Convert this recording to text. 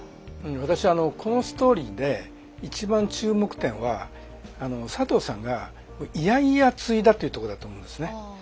私あのこのストーリーで一番注目点は佐藤さんがっていうとこだと思うんですね。